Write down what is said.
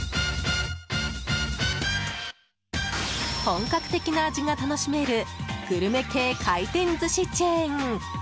本格的な味が楽しめるグルメ系回転寿司チェーン。